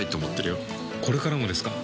これからもですか？